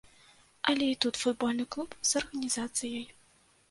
Але і тут футбольны клуб з арганізацыяй.